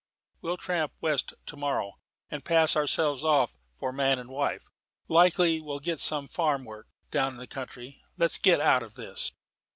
We'll tramp west to morrow, and pass ourselves off for man and wife. Likely we'll get some farm work, down in the country. Let's get out of this."